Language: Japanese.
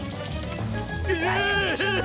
うわ。